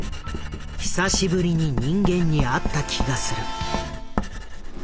「久しぶりに人間にあった気がする」。